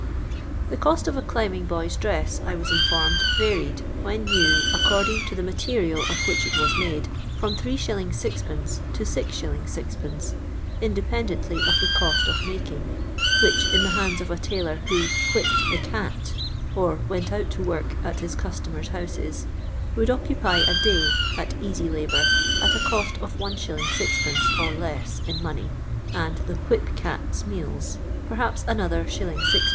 The cost of a climbing boy's dress, I was iii* formed, varied, when new, according to the mate rial of which it was made, from 3^. 6c/. to 0.<. C*i. inde])endently of the cost of making, which, in the hands of a tailor who '* whipped the cat' (« went out to work at his customer's houses), would occupy a day, at easy labour, at a cost of Is. M. (or les s) in money, and the '* whip cat's " weal*, perhaps another l.«. C